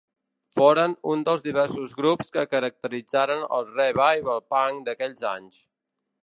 Foren un dels diversos grups que caracteritzaren el revival punk d'aquells anys.